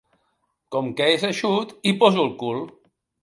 Com que és eixut hi poso el cul.